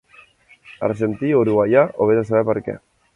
Argentí o uruguaià o vés a saber què.